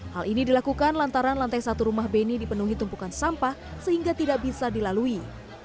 hal ini dilakukan lantaran lantai satu rumah beni dipenuhi tumpukan sampah sehingga tidak bisa dilalui